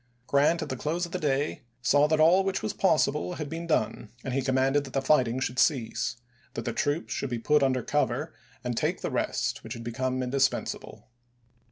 Grant, at the close of the day, saw that all which was possible had been done, and he commanded that the fighting should cease ; that the troops should be put under cover, and take the rest which had become indis pensable.